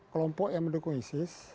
kelompok yang mendukung isis